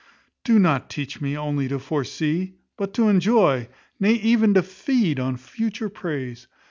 Do thou teach me not only to foresee, but to enjoy, nay, even to feed on future praise.